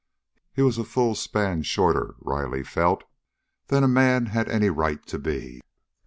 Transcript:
He was a full span shorter, Riley felt, than a man had any right to be.